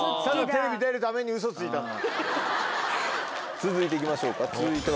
続いて行きましょうか続いては。